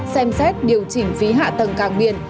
xem xét điều chỉnh phí hạ tầng càng biển